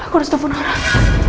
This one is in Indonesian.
aku harus telfon orang